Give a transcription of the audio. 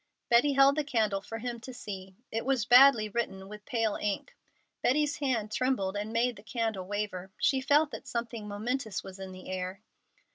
Betty held the candle for him to see. It was badly written, with pale ink. Betty's hand trembled and made the candle waver. She felt that something momentous was in the air.